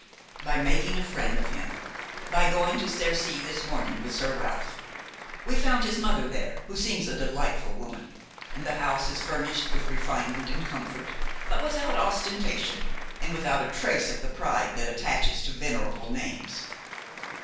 "By making a friend of him; by going to Cercy this morning with Sir Ralph. We found his mother there, who seems a delightful woman; and the house is furnished with refinement and comfort, but without ostentation and without a trace of the pride that attaches to venerable names.